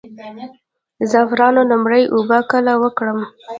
د زعفرانو لومړۍ اوبه کله ورکړم؟